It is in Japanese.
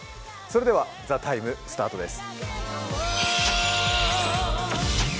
それでは、「ＴＨＥＴＩＭＥ，」スタートです。